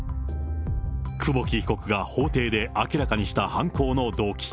久保木被告が法廷で明らかにした犯行の動機。